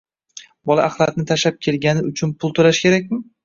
Bola axlatni tashlab kelagni uchun pul to‘lash kerakmi?